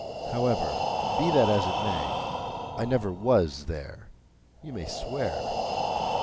However, be that as it may, I never was there, you may swear."